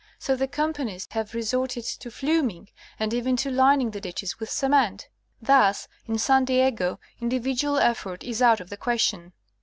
So the companies have resorted to fluming,^ and even to lining the ditches with cement. Thus in San Diego, individual effort is out of the question.